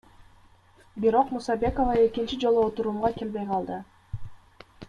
Бирок Мусабекова экинчи жолу отурумга келбей калды.